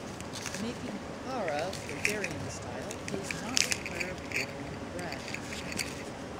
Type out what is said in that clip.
Making "popara" Bulgarian style does not require boiling the bread.